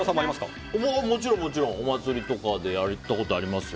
もちろん、お祭りとかでやったことありますよ。